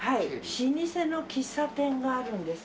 老舗の喫茶店があるんです。